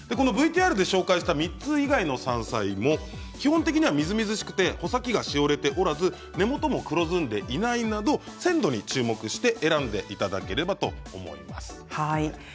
ＶＴＲで紹介した３つ以外の山菜も基本的にはみずみずしくて穂先がしおれておらず根元も黒ずんでいないなど鮮度注目して選んでいただければと思います。